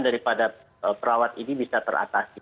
daripada perawat ini bisa teratasi